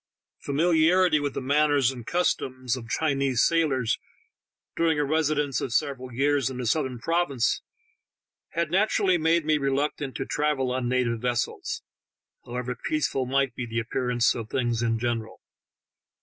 Familiarity with the manners and customs of Chinese sailors during a residence ^of several years in the southern provinces had naturally made me reluctant to travel on native vessels, however peaceful might be the appearance of things in gen eral.